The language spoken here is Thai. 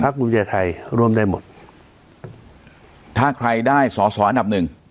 พระภูมิใจไทยรวมได้หมดถ้าใครได้ณหนับหนึ่ง